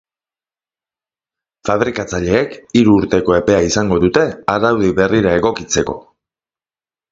Fabrikatzaileek hiru urteko epea izango dute araudi berrira egokitzeko.